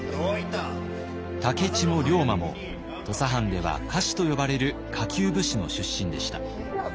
武市も龍馬も土佐藩では下士と呼ばれる下級武士の出身でした。